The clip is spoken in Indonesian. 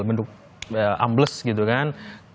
bentuk ambles gitu kan